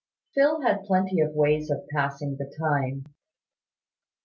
Phil had plenty of ways of passing the time.